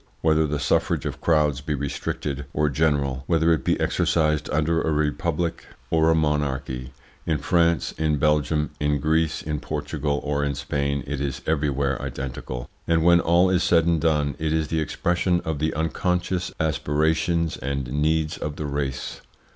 Whether the suffrage of crowds be restricted or general, whether it be exercised under a republic or a monarchy, in France, in Belgium, in Greece, in Portugal, or in Spain, it is everywhere identical; and, when all is said and done, it is the expression of the unconscious aspirations and needs of the race.